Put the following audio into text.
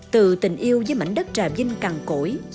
từ tình yêu với mảnh đất trà vinh cằn cổi